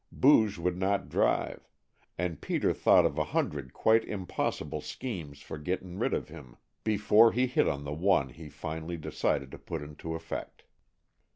Booge would not drive, and Peter thought of a hundred quite impossible schemes for getting rid of him before he hit on the one he finally decided to put into effect.